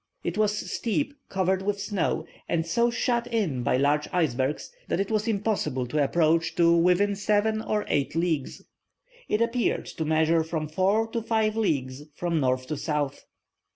It was steep, covered with snow, and so shut in by large icebergs, that it was impossible to approach to within seven or eight leagues. It appeared to measure from four to five leagues from north to south.